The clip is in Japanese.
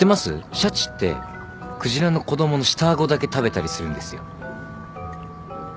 シャチって鯨の子供の下顎だけ食べたりするんですよ。